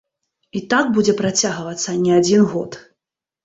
І так будзе працягвацца не адзін год.